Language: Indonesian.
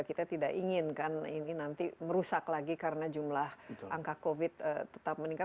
kita tidak ingin kan ini nanti merusak lagi karena jumlah angka covid tetap meningkat